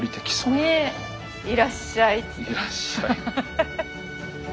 「いらっしゃい」って。